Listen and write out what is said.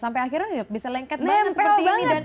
sampai akhirnya bisa lengket banget seperti ini